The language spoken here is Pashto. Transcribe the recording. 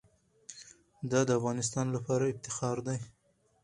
دا د افغانانو لپاره افتخار دی.